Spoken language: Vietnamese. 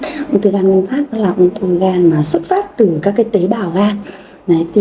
uống thư gan nguyên phát đó là uống thư gan mà xuất phát từ các cái tế bào gan